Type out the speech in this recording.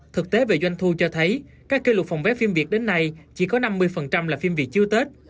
thực tế về doanh thu cho thấy các kỷ lục phòng vé phim việt đến nay chỉ có năm mươi là phim việt chiếu tết